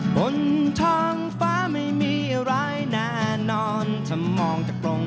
สนุนโดยอีซุสุมิวเอ็กซ์เอกสิทธิ์แห่งความสุข